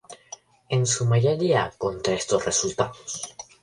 En su mayoría en contra de estos resultados.